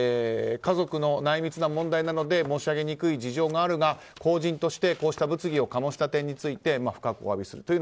家族の内密な問題なので申し上げにくい事情があるが、公人としてこうした物議を醸した点について不覚をお詫びする。